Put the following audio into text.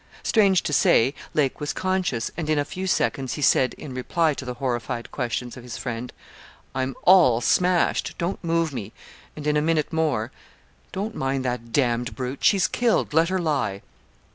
Strange to say, Lake was conscious, and in a few seconds, he said, in reply to the horrified questions of his friend 'I'm all smashed. Don't move me;' and, in a minute more 'Don't mind that d d brute; she's killed. Let her lie.'